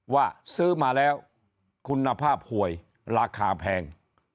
ว่าซื้อมาแล้วคุณภาพหวยราคาแพง